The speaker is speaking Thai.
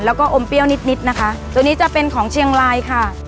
แล้วก็อมเปรี้ยวนิดนิดนะคะตัวนี้จะเป็นของเชียงรายค่ะ